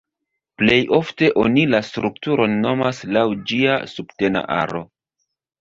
Plej ofte oni la strukturon nomas laŭ ĝia subtena aro.